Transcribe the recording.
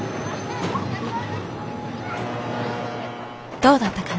どうだったかな？